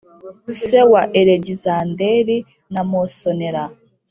se wa Alegizanderi na Mosonela